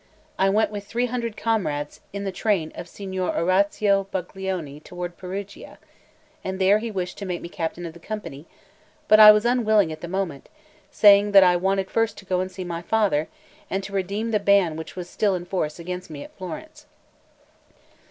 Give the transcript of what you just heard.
I went with three hundred comrades in the train of Signor Orazio Baglioni toward Perugia; and there he wished to make me captain of the company, but I was unwilling at the moment, saying that I wanted first to go and see my father, and to redeem the ban which was still in force against me at Florence.